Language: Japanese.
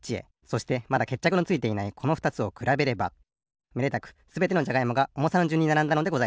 そしてまだけっちゃくのついていないこのふたつをくらべればめでたくすべてのじゃがいもがおもさのじゅんにならんだのでございます。